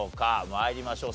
参りましょう。